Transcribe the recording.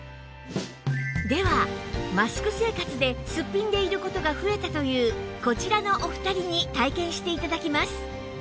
ではマスク生活でスッピンでいる事が増えたというこちらのお二人に体験して頂きます